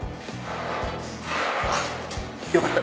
あっよかった。